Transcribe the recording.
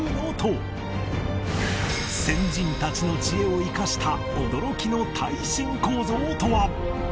先人たちの知恵を生かした驚きの耐震構造とは？